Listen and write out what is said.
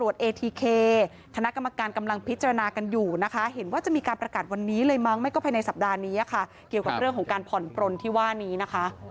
สัปดาห์นี้ค่ะเกี่ยวกับเรื่องของการผ่อนปลนที่ว่านี้นะคะ